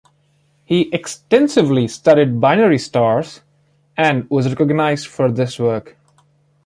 He extensively studied binary stars and was recognized for this work.